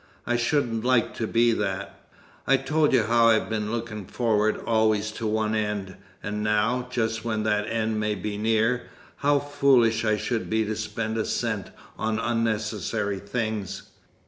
I shouldn't like to be that! I told you how I've been looking forward always to one end. And now, just when that end may be near, how foolish I should be to spend a cent on unnecessary things!